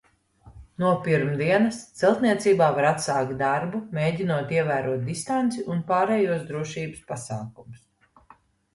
No pirmdienas celtniecībā var atsākt darbu, mēģinot ievērot distanci un pārējos drošības pasākumus.